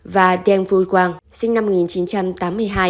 và đen phúi quang sinh năm